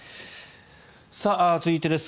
続いてです。